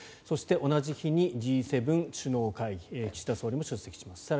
そして、同じ日にＧ７首脳会議岸田総理も出席します。